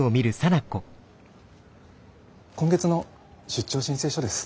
今月の出張申請書です。